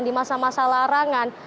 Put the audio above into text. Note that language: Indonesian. di masa masa larangan